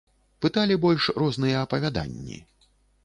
Пыталі больш розныя апавяданні.